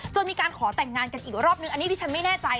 มีการขอแต่งงานกันอีกรอบนึงอันนี้ดิฉันไม่แน่ใจ